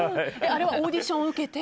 あれはオーディションを受けて？